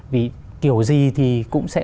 vì kiểu gì thì cũng sẽ